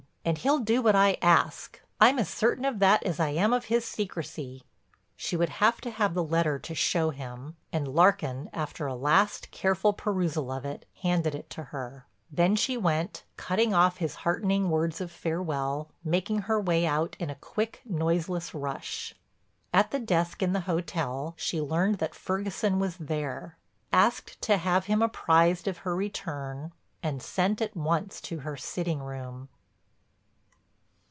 And he'll do what I ask—I'm as certain of that as I am of his secrecy." She would have to have the letter to show him, and Larkin, after a last, careful perusal of it, handed it to her. Then she went, cutting off his heartening words of farewell, making her way out in a quick, noiseless rush. At the desk in the hotel she learned that Ferguson was there, asked to have him apprised of her return and sent at once to her sitting room.